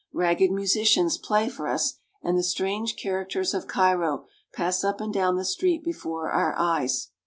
Ragged musicians play for us, and the strange characters of Cairo pass up and down the street before our eyes.